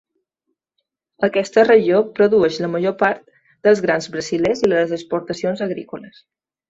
Aquesta regió produeix la major part dels grans brasilers i de les exportacions agrícoles.